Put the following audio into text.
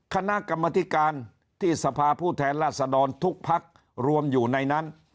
คณะกรมนตรีกรรมที่สาภาพผู้แทนละสะดอนทุกภักดิ์รวมอยู่ในนั้น